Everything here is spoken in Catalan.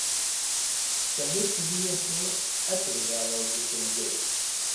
També podia ser atorgada als estrangers.